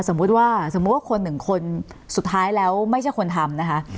สมมุติว่าสมมุติว่าคนหนึ่งคนสุดท้ายแล้วไม่ใช่คนทำนะคะ